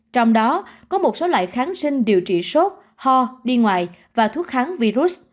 trong đó có một số loại kháng sinh điều trị sốt ho đi ngoài và thuốc kháng virus